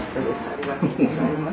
ありがとうございます。